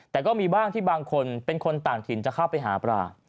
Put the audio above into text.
แต่ก็มีบ้างที่บางคนเป็นคนต่างถิ่นจะเข้าไปหาปลา